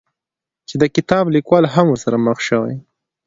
چې د کتاب ليکوال هم ورسره مخ شوى،